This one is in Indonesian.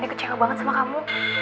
saya kecewa banget sama kamu